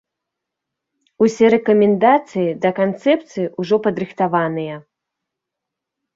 Усе рэкамендацыі да канцэпцыі ўжо падрыхтаваныя.